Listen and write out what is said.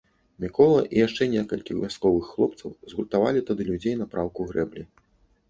Мікола і яшчэ некалькі вясковых хлапцоў згуртавалі тады людзей на праўку грэблі.